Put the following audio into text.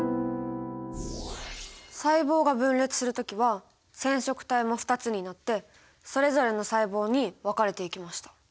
細胞が分裂する時は染色体も２つになってそれぞれの細胞に分かれていきました。